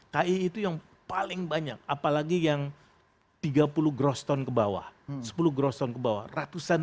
ke dua itu yang paling banyak apalagi yang tiga puluh groston kebawah sepuluh groston kebawah ratusan